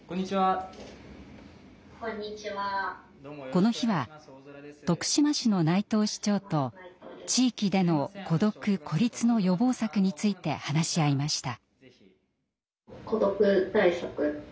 この日は徳島市の内藤市長と地域での孤独・孤立の予防策について話し合いました。